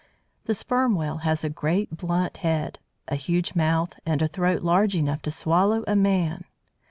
The Sperm Whale has a great, blunt head, a huge mouth, and a throat large enough to swallow a man.